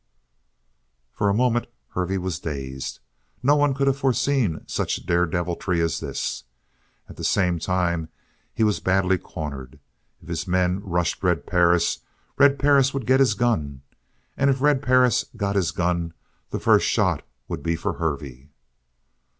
For a moment Hervey was dazed. No one could have foreseen such daredeviltry as this. At the same time, he was badly cornered. If his men rushed Red Perris, Red Perris would get his gun. And if Red Perris got his gun the first shot would be for Hervey.